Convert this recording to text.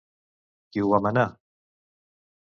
Qui ho va manar?